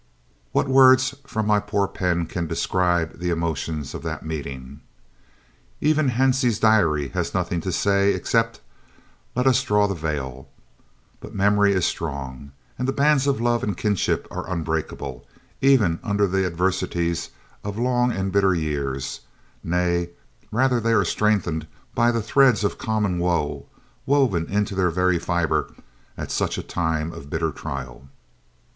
What words from my poor pen can describe the emotions of that meeting? Even Hansie's diary has nothing to say except "let us draw the veil," but memory is strong and the bands of love and kinship are unbreakable, even under the adversities of long and bitter years nay, rather are they strengthened by the threads of common woe, woven into their very fibre at such a time of bitter trial.